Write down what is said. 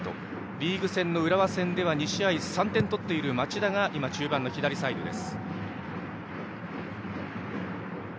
リーグ戦の浦和戦では２試合で３点を取っている町田が今、中盤の左サイドです。